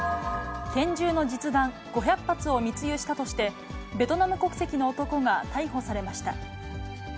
拳銃の実弾５００発を密輸したとして、ベトナム国籍の男が逮捕されました。